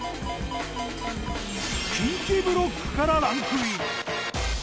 近畿ブロックからランクイン。